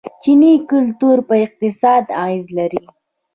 چیني کلتور په اقتصاد اغیز لري.